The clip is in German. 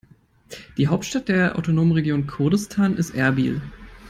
Die Hauptstadt der autonomen Region Kurdistan ist Erbil.